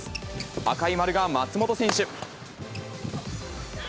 赤い丸が松本選手。